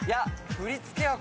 振り付けは怖い。